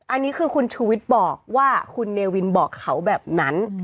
อันนี้คือคุณชูวิทย์บอกว่าคุณเนวินบอกเขาแบบนั้น